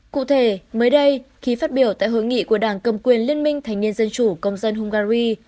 cụ thể mới đây khi phát biểu tại hội nghị của đảng cầm quyền liên minh thành niên dân chủ công dân hungary